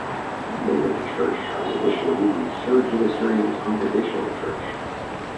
The name of the church was initially the Third Unitarian Congregational Church.